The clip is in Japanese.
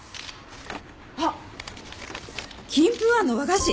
あっ錦風庵の和菓子。